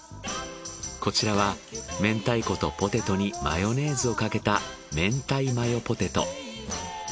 こちらは明太子とポテトにマヨネーズをかけた明太マヨポテト。